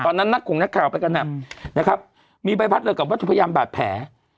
ตอนนั้นนักฝุ่งนักข่าวไปกันอ่ะนะครับมีใบพัดเรือกับวัตถุพยามบาดแผล